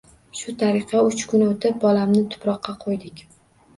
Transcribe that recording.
Shu tariqa uch kun o`tib, bolamni tuproqqa qo`ydik